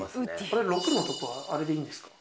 これ「６」のとこはあれでいいんですか？